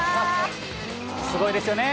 すごいですよね。